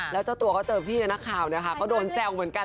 แล้วเจ้าตัวก็เจอพี่กับนักข่าวนะคะก็โดนแซวเหมือนกัน